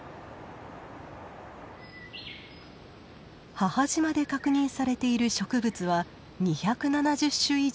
母島で確認されている植物は２７０種以上。